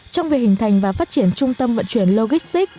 trong việc hình thành và phát triển trung tâm vận chuyển logistic của vĩnh phúc